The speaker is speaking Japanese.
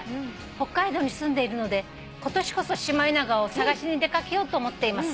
「北海道に住んでいるので今年こそシマエナガを探しに出掛けようと思っています」